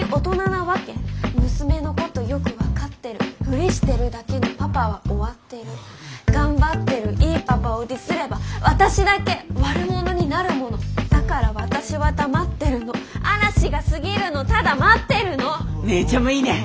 娘のことよく分かってるふりしてるだけのパパは終わってる頑張ってるいいパパをｄｉｓれば私だけ悪者になるものだから私は黙ってるの嵐が過ぎるのただ待ってるの姉ちゃんもいいね！